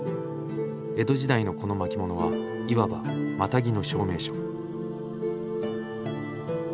江戸時代のこの巻物はいわばマタギの証明書。